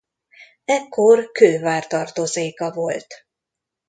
Ekkor Kővár tartozéka volt.